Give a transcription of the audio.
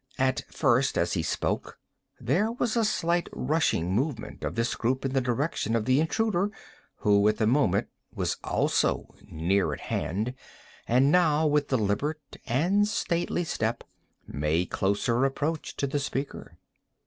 At first, as he spoke, there was a slight rushing movement of this group in the direction of the intruder, who at the moment was also near at hand, and now, with deliberate and stately step, made closer approach to the speaker.